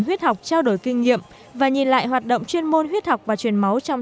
huyết học trao đổi kinh nghiệm và nhìn lại hoạt động chuyên môn huyết học và truyền máu trong